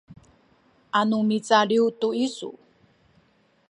anu macaliw tu isu